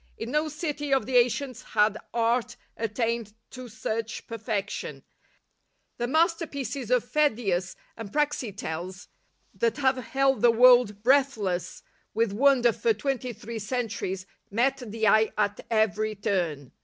In no city of the ancients had art attained to such perfection. The masterpieces of Pheidias and Praxiteles, that have held the world breath less with wonder for twenty three centuries, met the eye at every turn.